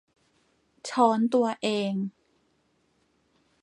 ช้อนตัวเอง